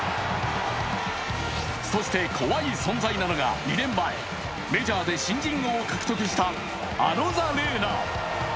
そして怖い存在なのが２年前メジャーで新人王を獲得したアロザレーナ。